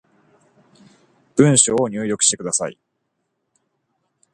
文章を入力してください